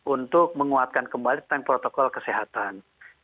untuk menguatkan kembali tentang protokol kesehatan